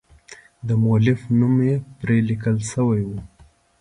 د مؤلف نوم یې پر لیکل شوی و.